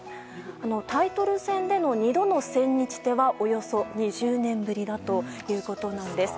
タイトル戦での２度の千日手はおよそ２０年ぶりだということです。